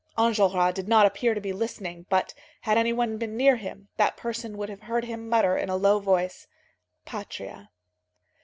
Enjolras did not appear to be listening, but had any one been near him, that person would have heard him mutter in a low voice: "Patria."